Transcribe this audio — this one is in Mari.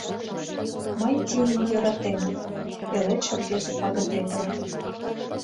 Мый тиньым йӧратем, Пеледше рвезе пагытетым.